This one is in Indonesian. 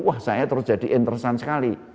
wah saya terus jadi interesan sekali